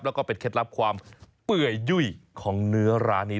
แล้วก็เป็นเคล็ดลับความเปื่อยยุ่ยของเนื้อร้านนี้